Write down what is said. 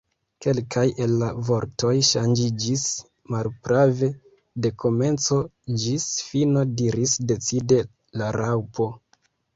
"Kelkaj el la vortoj ŝanĝiĝis." "Malprave, de komenco ĝis fino," diris decide la Raŭpo.